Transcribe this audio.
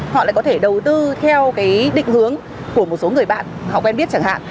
họ lại có thể đầu tư theo cái định hướng của một số người bạn họ quen biết chẳng hạn